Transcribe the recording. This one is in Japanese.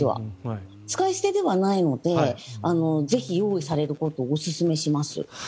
使い捨てではないのでぜひ用意されることをおすすめします。